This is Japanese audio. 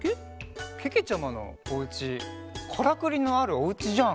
ケ？けけちゃまのおうちカラクリのあるおうちじゃん。